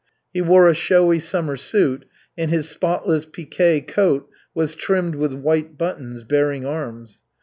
He wore a showy summer suit, and his spotless piqué coat was trimmed with white buttons bearing arms.